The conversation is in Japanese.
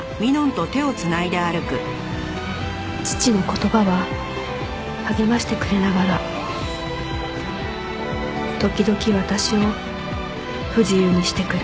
父の言葉は励ましてくれながら時々私を不自由にしてくる